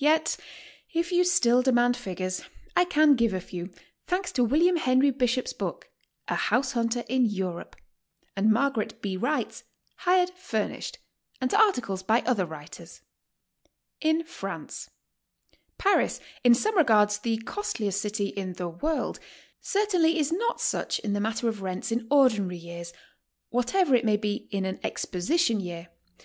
Yet if you still demand figures, I can give a few, thanks to William Henry Bishop's book, ''A House Hunter in Europe," to Margaret B. Wright's "Hired Furnished," and to articles by other writers. IN FRANCE: Paris, in some regards the costliest city in the world, certainly is not such in the matter of rents in ordinary years, whatever it may be in an Exposition year.